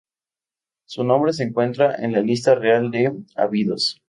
Su nombre se encuentra en la Lista Real de Abidos.